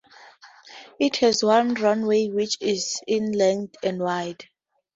It has one runway which is in length and wide.